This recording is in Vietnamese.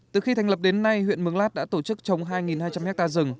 từ khi thành lập đến nay huyện mường lát đã tổ chức trồng hai hai trăm linh hectare rừng